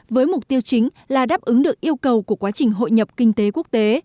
với mục tiêu chính là đáp ứng được yêu cầu của quá trình hội nhập kinh tế quốc tế